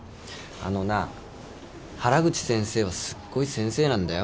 あのな原口先生はすっごい先生なんだよ。